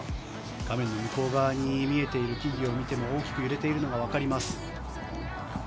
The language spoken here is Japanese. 画面の向こう側に見えている木々を見ても大きく揺れているのが分かります。